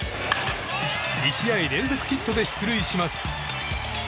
２試合連続ヒットで出塁します。